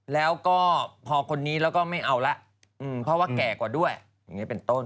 แล้วก็พอคนนี้แล้วก็ไม่เอาละเพราะว่าแก่กว่าด้วยอย่างนี้เป็นต้น